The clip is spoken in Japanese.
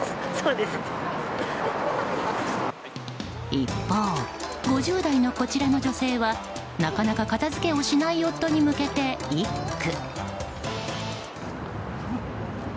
一方、５０代のこちらの女性はなかなか片づけをしない夫に向けて一句。